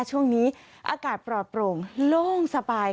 ช่วงนี้อากาศปลอดโปร่งโล่งสบาย